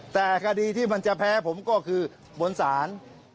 แต่คดีที่มันจะแพ้ผมก็คือบนศาล